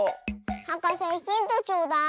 はかせヒントちょうだい。